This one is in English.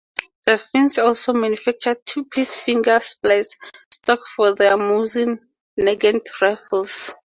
The Finns also manufactured two-piece "finger splice" stocks for their Mosin-Nagant rifles.